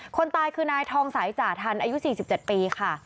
คนตายคือนายทองสายจ่าทันอายุ๔๗ปีค่ะ